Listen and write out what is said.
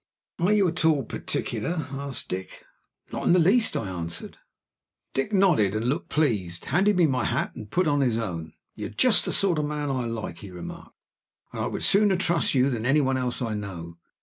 "Are you at all particular?" asked Dick. "Not in the least," I answered. Dick nodded, and looked pleased; handed me my hat, and put on his own. "You are just the sort of man I like," he remarked, "and I would sooner trust you than any one else I know.